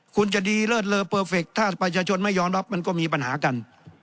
คุณจะดีเลิศเลอเปอร์เฟคถ้าประชาชนไม่ยอมรับมันก็มีปัญหากัน